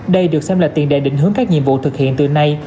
đây được xem là tiền đề định hướng các nhiệm vụ thực hiện từ nay